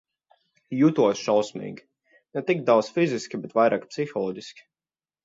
Jutos šausmīgi – ne tik daudz fiziski, bet vairāk psiholoģiski.